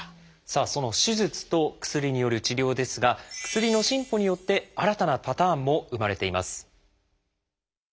さあその手術と薬による治療ですが薬の進歩によって新たなパターンも生まれています。